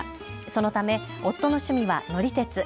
そのため夫の趣味は乗り鉄。